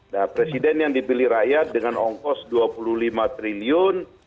nah presiden yang dipilih rakyat dengan ongkos dua puluh lima triliun